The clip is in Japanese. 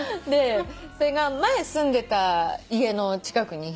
それが前住んでた家の近くに引っ越して。